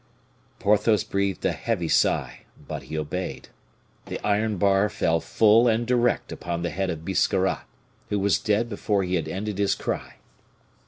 Porthos breathed a heavy sigh but he obeyed. The iron bar fell full and direct upon the head of Biscarrat, who was dead before he had ended his cry.